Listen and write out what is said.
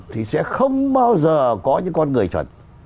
thì sẽ không bao giờ có những con người chuẩn